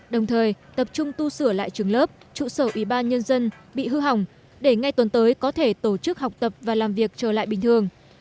đồng thời tập trung tu sửa lại trường lớp trụ sở ủy ban nhân dân bị hư hỏng để ngay tuần tới có thể tổ chức học tập và làm việc trở lại bình thường